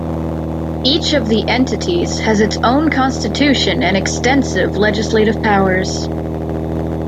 Each of the Entities has its own Constitution and extensive legislative powers.